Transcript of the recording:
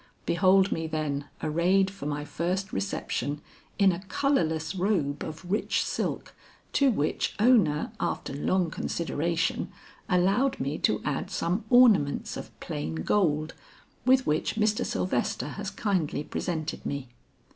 Behold me, then, arrayed for my first reception in a colorless robe of rich silk to which Ona after long consideration allowed me to add some ornaments of plain gold with which Mr. Sylvester has kindly presented me.